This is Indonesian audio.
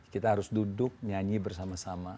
kita harus duduk nyanyi bersama sama